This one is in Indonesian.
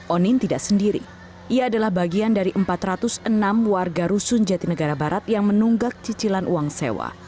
onin tidak sendiri ia adalah bagian dari empat ratus enam warga rusun jatinegara barat yang menunggak cicilan uang sewa